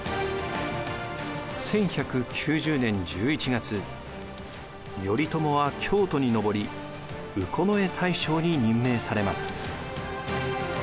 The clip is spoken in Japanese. １１９０年１１月頼朝は京都に上り右近衛大将に任命されます。